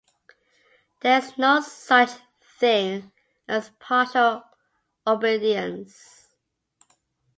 There is no such thing as partial obedience.